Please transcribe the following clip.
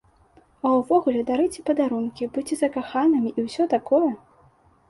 А ўвогуле, дарыце падарункі, будзьце закаханымі і ўсё такое!